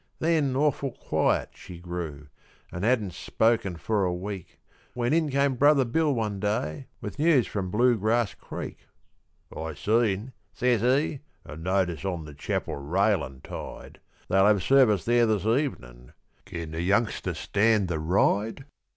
Then awful quiet she grew, an' hadn't spoken for a week, When in came brother Bill one day with news from Bluegrass Creek. "I seen," says he, "a notice on the chapel railin' tied; They'll have service there this evenin' can the youngster stand the ride?